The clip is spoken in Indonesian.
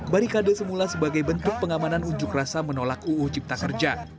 barikade semula sebagai bentuk pengamanan unjuk rasa menolak uu cipta kerja